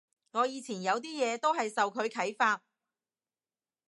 我以前有啲嘢都係受佢啓發